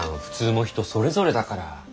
普通も人それぞれだから。